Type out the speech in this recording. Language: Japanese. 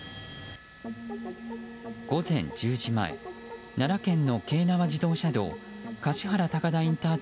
午前１０時前奈良県の京奈和自動車道橿原高田ＩＣ